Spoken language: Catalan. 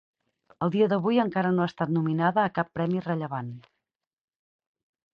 Al dia d'avui encara no ha estat nominada a cap premi rellevant.